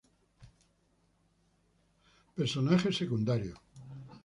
Personajes secundarios.